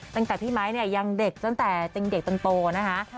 ตั้งแต่พี่ไม้ยังเด็กตั้งแต่เด็กต้นโตนะคะ